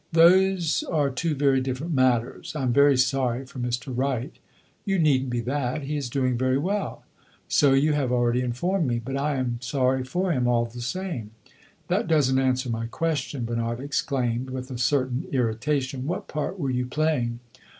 "Those are two very different matters. I am very sorry for Mr. Wright." "You need n't be that. He is doing very well." "So you have already informed me. But I am sorry for him, all the same." "That does n't answer my question," Bernard exclaimed, with a certain irritation. "What part were you playing?"